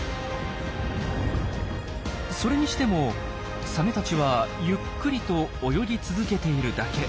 それにしてもサメたちはゆっくりと泳ぎ続けているだけ。